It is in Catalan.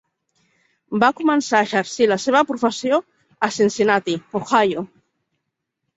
Va començar a exercir la seva professió a Cincinnati, Ohio.